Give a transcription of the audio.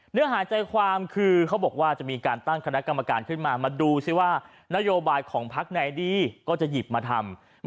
เนื้อหาใจความคือเขาบอกว่าจะมีการตั้งคณะกรรมการขึ้นมามาดูซิว่านโยบายของพักไหนดีก็จะหยิบมาทำ